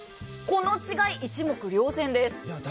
この違い、一目瞭然です。